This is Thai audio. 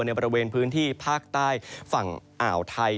ในบริเวณพื้นที่ภาคใต้ฝั่งอ่าวไทย